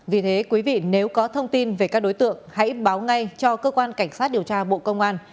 vì thế quý vị nếu có thông tin về các đối tượng hãy báo ngay cho cơ quan cảnh sát điều tra bộ công an